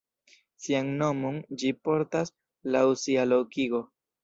Sian nomon ĝi portas laŭ sia lokigo.